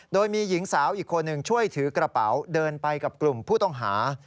โดยมีหญิงสาวอีกคนหนึ่งช่วยถือกระเป๋าเดินไปกับกลุ่มผู้ต้องหา